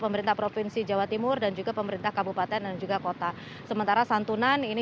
pemerintah provinsi jawa timur dan juga pemerintah kabupaten dan juga kota sementara santunan ini